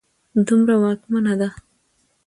دومره واکمنه ده